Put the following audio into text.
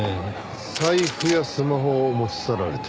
財布やスマホを持ち去られている。